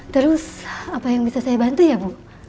terus apa yang bisa saya bantu ya bu